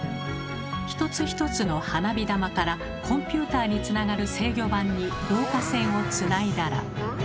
一つ一つの花火玉からコンピューターにつながる制御盤に導火線をつないだら。